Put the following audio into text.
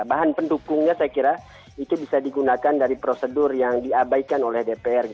bahan pendukungnya saya kira itu bisa digunakan dari prosedur yang diabaikan oleh dpr